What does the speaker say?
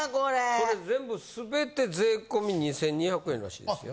これ全部すべて税込み２２００円らしいですよ。